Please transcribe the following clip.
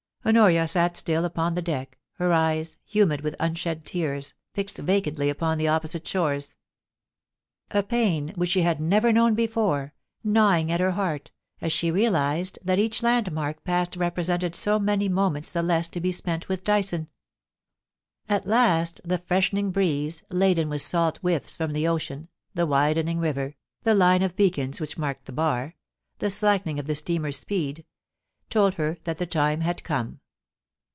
Honoria sat still upon the deck, her eyes, humid with unshed tears, fixed vacantly upon the opposite shores ; a pain, which she had never known before, gnawing at her heart, as she realised that each landmark passed represented so many moments the less to be spent with Dyson. At last the freshening breeze, laden with salt whiffs from the ocean, the widening river, the line of beacons which marked the bar, the slackening of the steamer's speed — told her that the time had come.